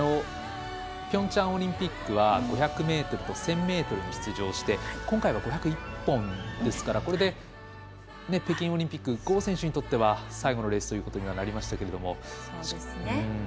ピョンチャンオリンピック５００ｍと１０００ｍに出場して今回は５００一本ですからこれで、北京オリンピック郷選手にとっては最後のレースということにはなりましたが。